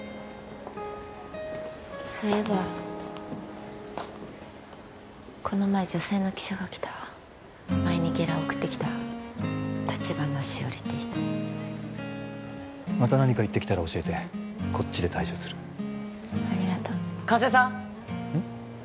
そういえばこの前女性の記者が来た前にゲラを送ってきた橘しおりって人また何か言ってきたら教えてこっちで対処するありがとう加瀬さん